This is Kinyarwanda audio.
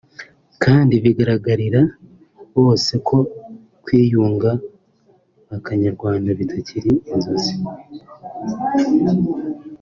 kandi bigaragarire bose ko kwiyunga k’Abanyarwanda bitakiri inzozi